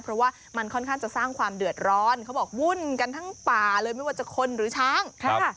เพราะว่ามันค่อนข้างจะสร้างความเดือดร้อนเขาบอกวุ่นกันทั้งป่าเลยไม่ว่าจะคนหรือช้างครับ